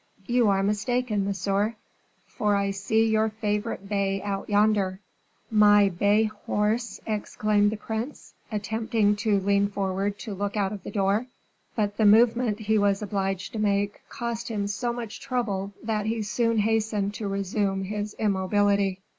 You are mistaken, Monsieur; for I see your favorite bay out yonder." "My bay horse!" exclaimed the prince, attempting to lean forward to look out of the door; but the movement he was obliged to make cost him so much trouble that he soon hastened to resume his immobility.